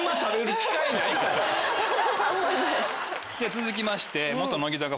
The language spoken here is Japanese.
続きまして。